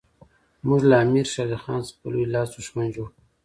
موږ له امیر شېر علي خان څخه په لوی لاس دښمن جوړ کړ.